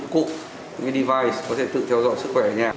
những device có thể tự theo dõi sức khỏe ở nhà